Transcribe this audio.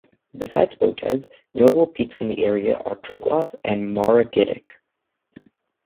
Besides Botev, notable peaks in the area are Triglav and Maragidik.